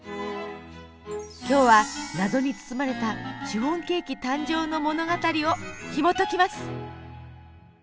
今日は謎に包まれたシフォンケーキ誕生の物語をひもときます。